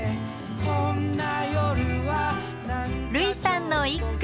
類さんの一句。